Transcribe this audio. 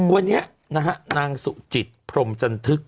วันนี้นะฮะนางสุจิตพรมจันทึก